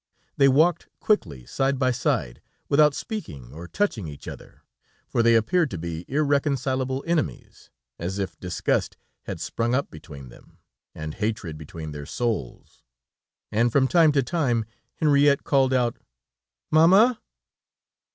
They walked quickly side by side, without speaking or touching each other, for they appeared to be irreconcilable enemies, as if disgust had sprung up between them, and hatred between their souls, and from time to time Henriette called out: "Mamma!"